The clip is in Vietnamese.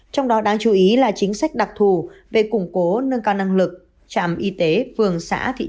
trong đó đáng chú ý là chính sách đặc thù về củng cố nâng cao năng lực trạm y tế phường xã thị trấn